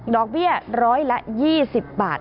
ดอกเบี้ย๑๐๐ละ๒๐บาท